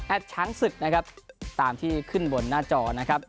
ช้างศึกนะครับตามที่ขึ้นบนหน้าจอนะครับ